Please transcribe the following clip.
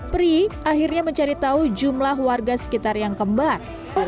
pri akhirnya mencari tahu jumlah warga sekitar yang kembar